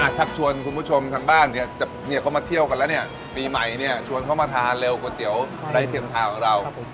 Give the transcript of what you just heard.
ชักชวนคุณผู้ชมทางบ้านเขามาเที่ยวกันแล้วเนี่ยปีใหม่เนี่ยชวนเขามาทานเร็วก๋วยเตี๋ยวไร้เทียมทาของเรา